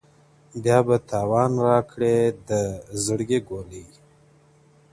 بيا به تاوان راکړې د زړگي گلي~